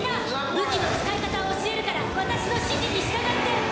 武器の使い方を教えるから、私の指示に従って！